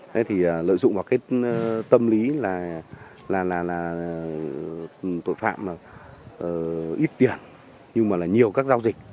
thế thì lợi dụng vào cái tâm lý là tội phạm ít tiền nhưng mà là nhiều các giao dịch